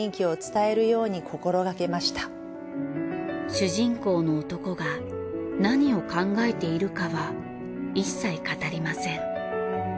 主人公の男が何を考えているかは一切語りません。